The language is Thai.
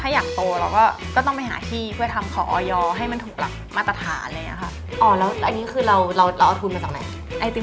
เพราะว่าทุกวันนี้ก็ยังทำเราเอาทูลมาจากไหน